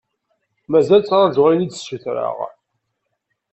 Mazal ttraǧuɣ ayen i d-sutreɣ.